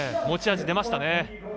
持ち味、出ましたね。